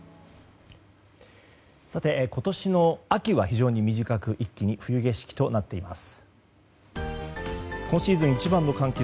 今年の秋は非常に短く一気に冬景色となっています。